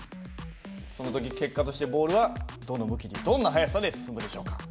その時結果としてボールはどの向きにどんな速さで進むでしょうか？